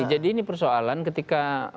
jadi ini persoalan ketika